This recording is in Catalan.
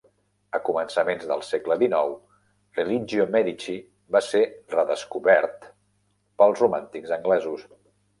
A començaments del segle XIX, "Religio Medici" va ser "redescobert" pels romàntics anglesos.